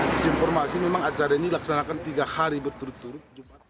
sisi informasi memang acara ini dilaksanakan tiga hari berturut turut